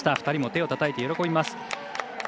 ２人も手をたたいて喜びます。